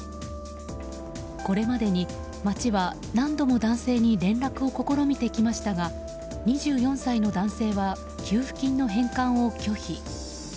これまでに町は何度も男性に連絡を試みてきましたが２４歳の男性は給付金の返還を拒否。